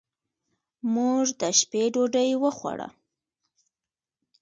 موږ د شپې ډوډۍ وخوړه.